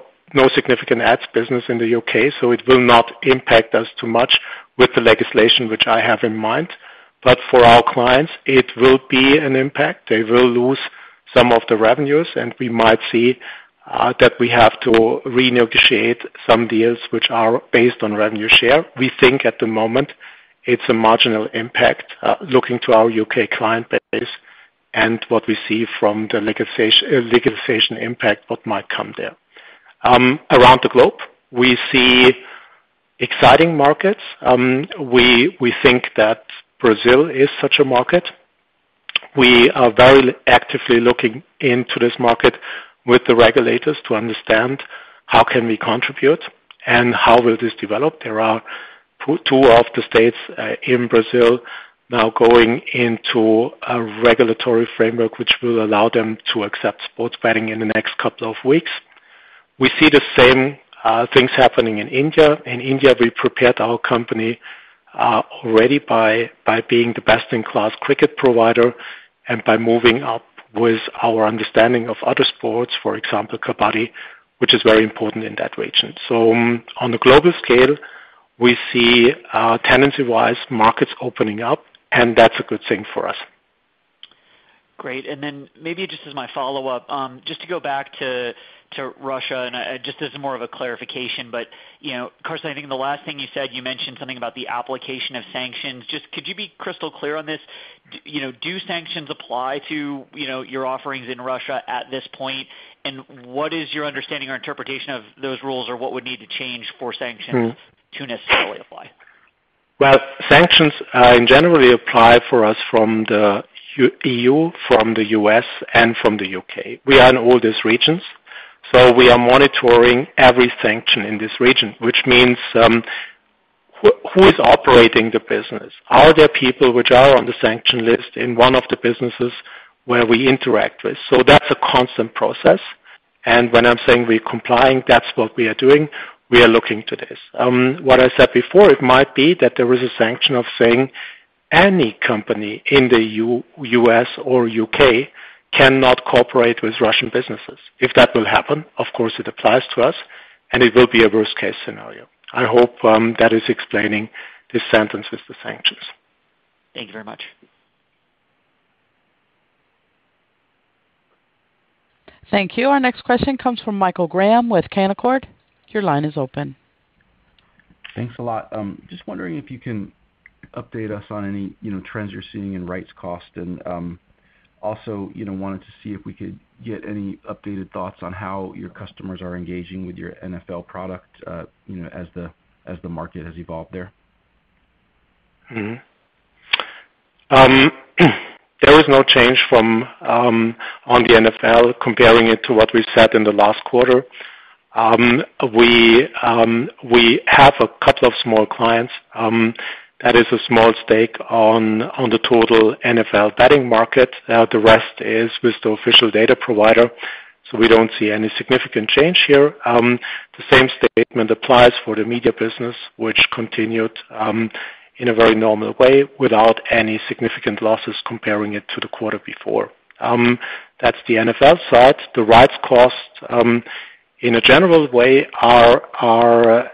significant ads business in the U.K., so it will not impact us too much with the legislation which I have in mind. For our clients, it will be an impact. They will lose some of the revenues, and we might see that we have to renegotiate some deals which are based on revenue share. We think at the moment it's a marginal impact looking to our U.K. client base and what we see from the legislation impact, what might come there. Around the globe, we see exciting markets. We think that Brazil is such a market. We are very actively looking into this market with the regulators to understand how can we contribute and how will this develop. There are 2 of the states in Brazil now going into a regulatory framework which will allow them to accept sports betting in the next couple of weeks. We see the same things happening in India. In India, we Pre-pared our company already by being the best-in-class cricket provider and by moving up with our understanding of other sports, for example, kabaddi, which is very important in that region. On the global scale, we see potentially markets opening up, and that's a good thing for us. Great. Then maybe just as my Follow-Up, just to go back to Russia, and just as more of a clarification, but you know, Carsten, I think the last thing you said, you mentioned something about the application of sanctions. Just could you be crystal clear on this? You know, do sanctions apply to your offerings in Russia at this point? And what is your understanding or interpretation of those rules, or what would need to change for sanctions. Hmm. to necessarily apply? Well, sanctions in general apply for us from the EU, from the U.S., and from the U.K. We are in all these regions, so we are monitoring every sanction in this region, which means who is operating the business? Are there people which are on the sanction list in one of the businesses where we interact with? That's a constant process. When I'm saying we're complying, that's what we are doing. We are looking to this. What I said before, it might be that there is a sanction of saying any company in the U.S. or U.K. cannot cooperate with Russian businesses. If that will happen, of course it applies to us, and it will be a worst-case scenario. I hope that is explaining the sentence with the sanctions. Thank you very much. Thank you. Our next question comes from Michael Graham with Canaccord. Your line is open. Thanks a lot. Just wondering if you can update us on any, you know, trends you're seeing in rights cost. Also, you know, wanted to see if we could get any updated thoughts on how your customers are engaging with your NFL product, you know, as the market has evolved there. There is no change from on the NFL comparing it to what we said in the last 1/4. We have a couple of small clients that is a small stake on the total NFL betting market. The rest is with the official data provider, so we don't see any significant change here. The same statement applies for the media business, which continued in a very normal way without any significant losses comparing it to the 1/4 before. That's the NFL side. The rights costs in a general way are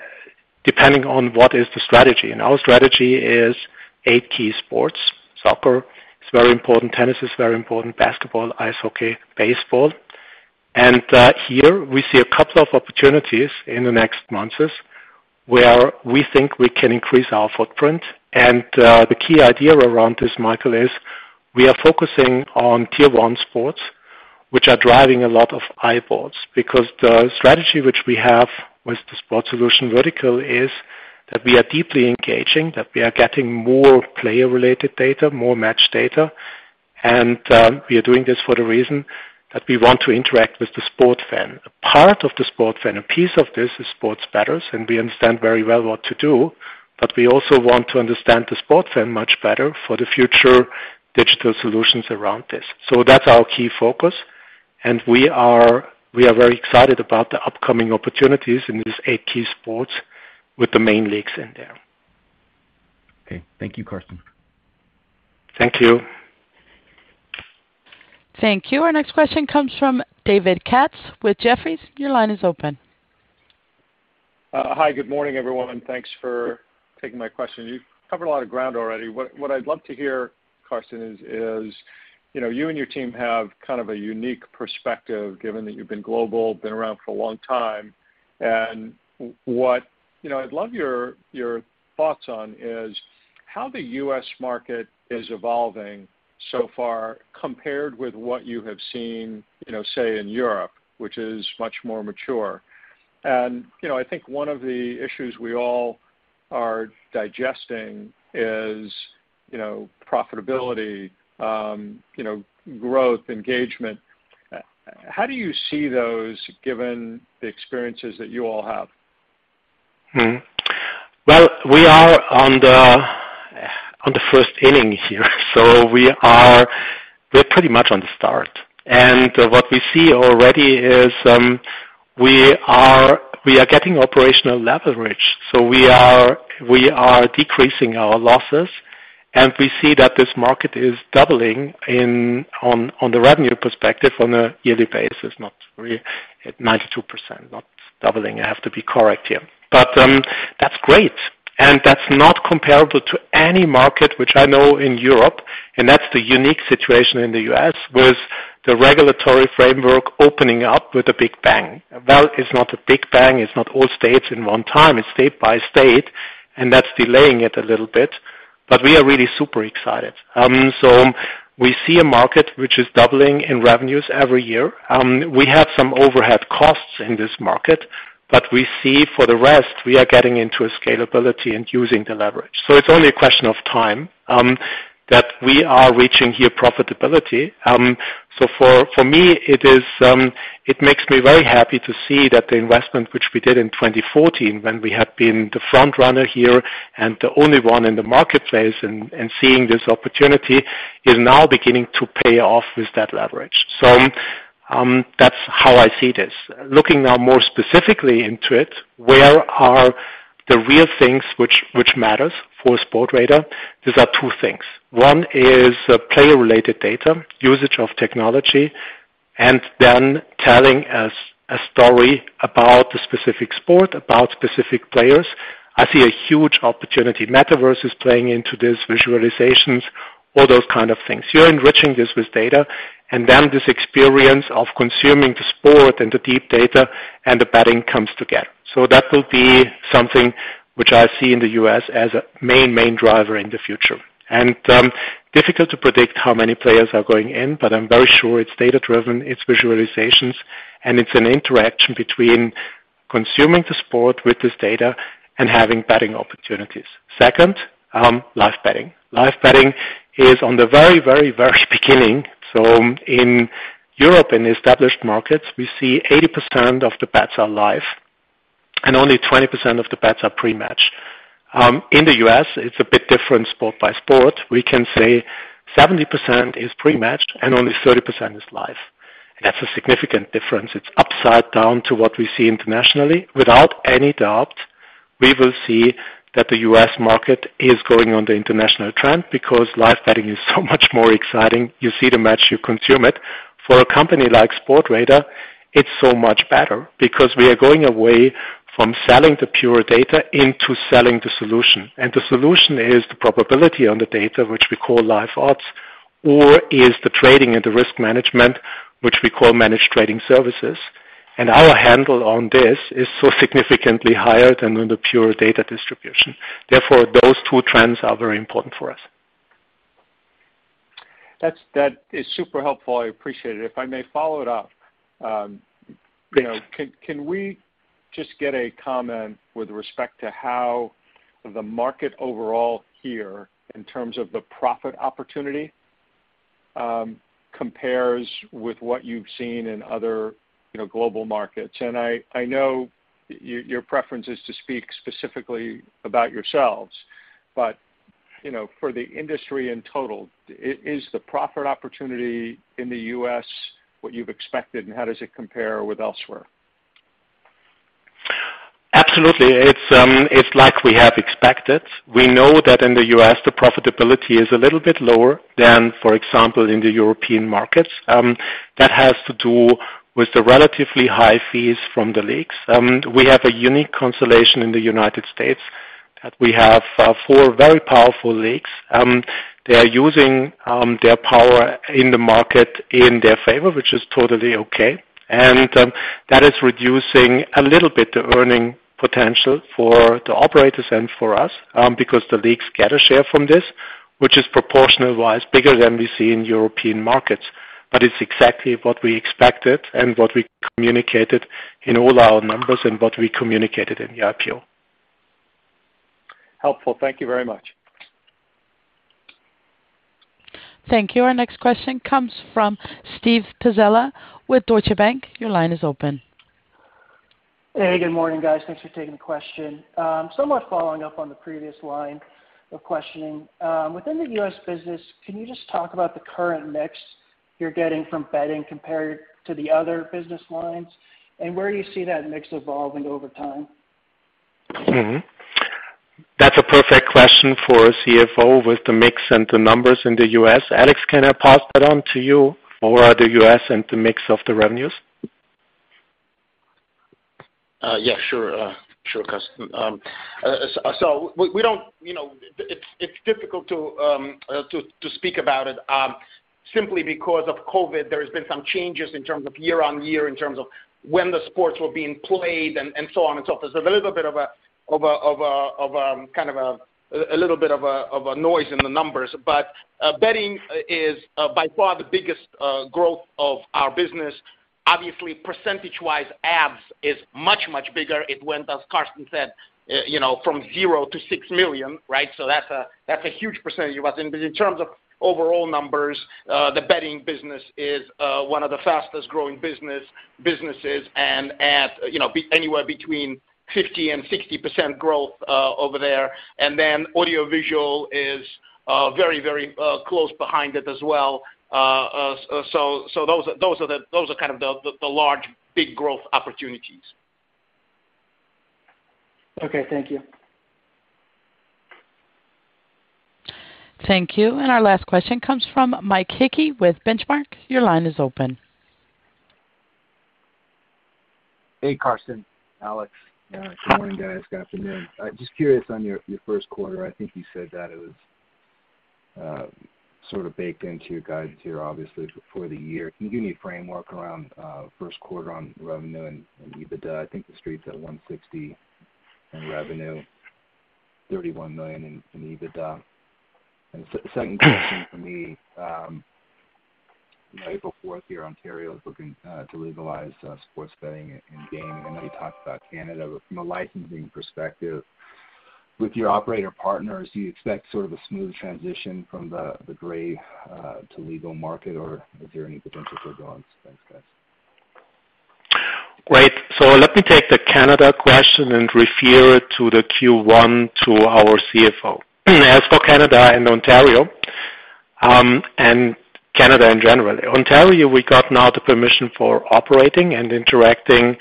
depending on what is the strategy. Our strategy is 8 key sports. Soccer is very important. Tennis is very important. Basketball, ice hockey, baseball. Here we see a couple of opportunities in the next months where we think we can increase our footprint. The key idea around this, Michael, is we are focusing on tier one sports, which are driving a lot of eyeballs. Because the strategy which we have with the Sport Solutions vertical is that we are deeply engaging, that we are getting more player-related data, more match data, and we are doing this for the reason that we want to interact with the sport fan. A part of the sport fan, a piece of this is sports bettors, and we understand very well what to do, but we also want to understand the sport fan much better for the future digital solutions around this. That's our key focus, and we are very excited about the upcoming opportunities in these 8 key sports with the main leagues in there. Okay. Thank you, Carsten. Thank you. Thank you. Our next question comes from David Katz with Jefferies. Your line is open. Hi. Good morning, everyone. Thanks for taking my question. You've covered a lot of ground already. What I'd love to hear, Carsten, is, you know, you and your team have kind of a unique perspective, given that you've been global, been around for a long time. What, you know, I'd love your thoughts on is how the U.S. market is evolving so far compared with what you have seen, you know, say, in Europe, which is much more mature. You know, I think one of the issues we all are digesting is, you know, profitability, you know, growth, engagement. How do you see those given the experiences that you all have? Well, we are on the first inning here, so we are Pre-tty much on the start. What we see already is we are getting operational leverage, so we are decreasing our losses, and we see that this market is doubling on the revenue perspective on a yearly basis, at 92%, not doubling. I have to be correct here. That's great, and that's not comparable to any market which I know in Europe, and that's the unique situation in the U.S., with the regulatory framework opening up with a big bang. Well, it's not a big bang. It's not all states in one time. It's state by state, and that's delaying it a little bit. We are really super excited. We see a market which is doubling in revenues every year. We have some overhead costs in this market, but we see for the rest, we are getting into a scalability and using the leverage. It's only a question of time that we are reaching here profitability. For me, it makes me very happy to see that the investment which we did in 2014 when we had been the front runner here and the only one in the marketplace and seeing this opportunity is now beginning to pay off with that leverage. That's how I see this. Looking now more specifically into it, where are the real things which matters for Sportradar? These are 2 things. One is player-related data, usage of technology, and then telling a story about the specific sport, about specific players. I see a huge opportunity. metaverse is playing into this, visualizations, all those kind of things. You're enriching this with data, and then this experience of consuming the sport and the deep data and the betting comes together. That will be something which I see in the U.S. as a main driver in the future. Difficult to Predict how many players are going in, but I'm very sure it's Data-Driven, it's visualizations, and it's an interaction between consuming the sport with this data and having betting opportunities. Second, live betting. Live betting is on the very beginning. In Europe, in established markets, we see 80% of the bets are live and only 20% of the bets are Pre-match. In the U.S., it's a bit different sport by sport. We can say 70% is Pre-match and only 30% is live. That's a significant difference. It's upside down to what we see internationally. Without any doubt, we will see that the US market is going on the international trend because live betting is so much more exciting. You see the match, you consume it. For a company like Sportradar, it's so much better because we are going away from selling the pure data into selling the solution. The solution is the probability on the data which we call Live Odds, or is the trading and the risk management, which we call Managed Trading Services. Our handle on this is so significantly higher than in the pure data distribution. Therefore, those 2 trends are very important for us. That is super helpful. I apPre-ciate it. If I may follow it up, you know, can we just get a comment with respect to how the market overall here in terms of the profit opportunity compares with what you've seen in other, you know, global markets? I know your Pre-ference is to speak specifically about yourselves, but, you know, for the industry in total, is the profit opportunity in the U.S. what you've expected, and how does it compare with elsewhere? Absolutely. It's like we have expected. We know that in the U.S., the profitability is a little bit lower than, for example, in the European markets. That has to do with the relatively high fees from the leagues. We have a unique constellation in the United States that we have 4 very powerful leagues. They are using their power in the market in their favor, which is totally okay. That is reducing a little bit the earning potential for the operators and for us, because the leagues get a share from this, which is Proportional-Wise, bigger than we see in European markets. It's exactly what we expected and what we communicated in all our numbers and what we communicated in the IPO. Helpful. Thank you very much. Thank you. Our next question comes from Steve Pizzella with Deutsche Bank. Your line is open. Hey, good morning, guys. Thanks for taking the question. Somewhat following up on the Pre-vious line of questioning. Within the U.S. business, can you just talk about the current mix you're getting from betting compared to the other business lines, and where do you see that mix evolving over time? That's a perfect question for the CFO with the mix and the numbers in the U.S. Alex, can I pass that on to you on the U.S. and the mix of the revenues? Yeah, sure. Sure, Carsten. We don't, you know, it's difficult to speak about it simply because of COVID. There has been some changes in terms of year-over-year, in terms of when the sports were being played and so on and so forth. There's a little bit of noise in the numbers. Betting is by far the biggest growth of our business. Obviously, Percentage-Wise, ads is much bigger. It went, as Carsten said, you know, from zero to $6 million, right? That's a huge percentage. In terms of overall numbers, the betting business is one of the Fastest-Growing businesses and you know being anywhere between 50%-60% growth over there. Then audiovisual is very close behind it as well. Those are kind of the large, big growth opportunities. Okay. Thank you. Thank you. Our last question comes from Mike Hickey with Benchmark. Your line is open. Hey, Carsten, Alex. Hi. Good morning, guys. Good afternoon. I'm just curious on your first 1/4. I think you said that it was sort of baked into your guidance here, obviously for the year. Can you give me a framework around first 1/4 on revenue and EBITDA? I think the street's at 160 million in revenue, 31 million in EBITDA. Second question for me, you know, April 4th here, Ontario is looking to legalize sports betting and gaming. I know you talked about Canada, but from a licensing perspective, with your operator partners, do you expect sort of a smooth transition from the gray to legal market, or is there any potential for bumps? Thanks, guys. Great. Let me take the Canada question and refer the question to our CFO. As for Canada and Ontario, and Canada in general. Ontario, we got now the permission for operating and interacting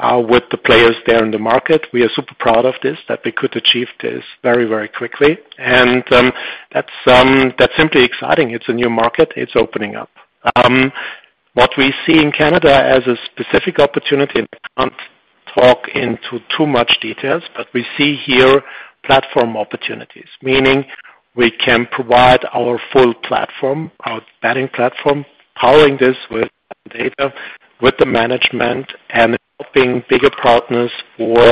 with the players there in the market. We are super proud of this, that we could achieve this very, very quickly. That's simply exciting. It's a new market. It's opening up. What we see in Canada as a specific opportunity, I won't go into too much detail, but we see here platform opportunities. Meaning we can provide our full platform, our betting platform, powering this with data, with the management, and helping bigger partners for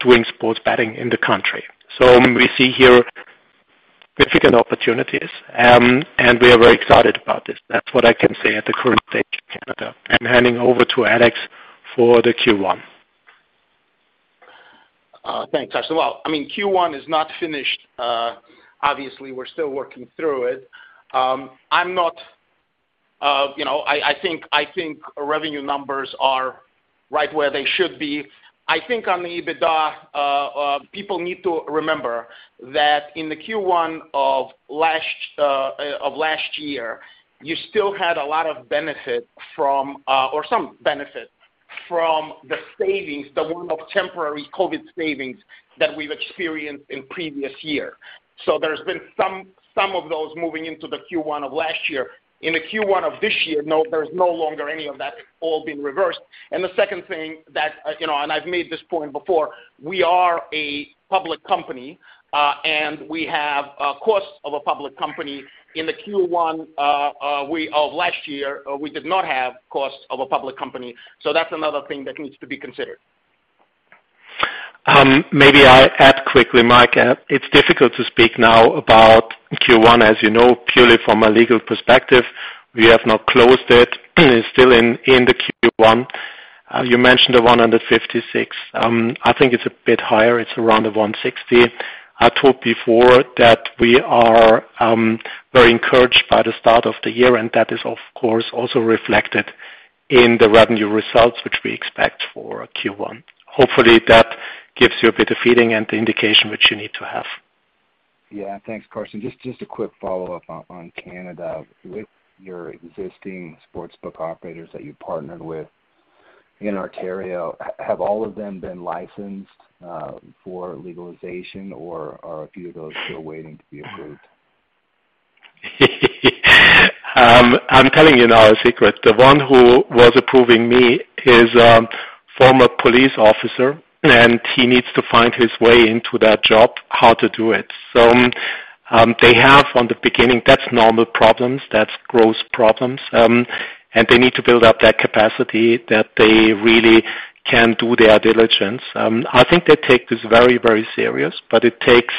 doing sports betting in the country. We see here significant opportunities, and we are very excited about this. That's what I can say at the current stage of Canada. I'm handing over to Alex for the Q1. Thanks, Carsten. Well, I mean, Q1 is not finished. Obviously, we're still working through it. I'm not, you know, I think revenue numbers are right where they should be. I think on the EBITDA, people need to remember that in the Q1 of last year, you still had a lot of benefit from, or some benefit from the savings, the One-Off temporary COVID savings that we've experienced in Previous year. So there's been some of those moving into the Q1 of last year. In the Q1 of this year, there's no longer any of that, all been reversed. The second thing that, you know, I've made this point before, we are a public company, and we have costs of a public company. In the Q1 of last year, we did not have costs of a public company. That's another thing that needs to be considered. Maybe I add quickly, Mike. It's difficult to speak now about Q1, as you know, purely from a legal perspective. We have not closed it. It's still in the Q1. You mentioned the 156. I think it's a bit higher. It's around the 160. I thought before that we are very encouraged by the start of the year, and that is, of course, also reflected in the revenue results, which we expect for Q1. Hopefully, that gives you a bit of feeling and the indication which you need to have. Yeah. Thanks, Carsten. Just a quick Follow-Up on Canada. With your existing sportsbook operators that you partnered with in Ontario, have all of them been licensed for legalization, or are a few of those still waiting to be approved? I'm telling you now a secret. The one who was approving me is a former police officer, and he needs to find his way into that job, how to do it. They have on the beginning, that's normal problems, that's growth problems, and they need to build up that capacity that they really can do their diligence. I think they take this very, very serious, but it takes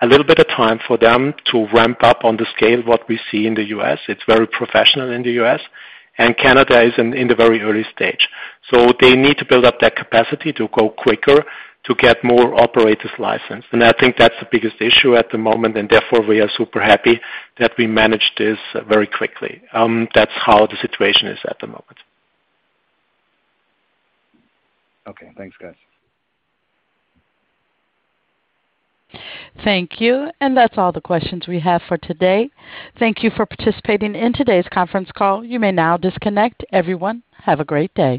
a little bit of time for them to ramp up on the scale what we see in the U.S. It's very professional in the U.S., and Canada is in the very early stage. They need to build up that capacity to go quicker, to get more operators licensed. I think that's the biggest issue at the moment, and therefore, we are super happy that we managed this very quickly. That's how the situation is at the moment. Okay. Thanks, guys. Thank you. That's all the questions we have for today. Thank you for participating in today's conference call. You may now disconnect. Everyone, have a great day.